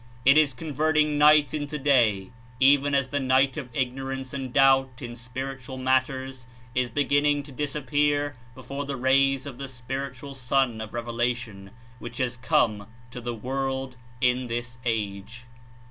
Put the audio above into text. It Is converting night Into day, even as the night of Ignorance and doubt In spiritual matters is beginning to disappear before the rays of the Spiritual Sun of Revelation which has come to the world in this age.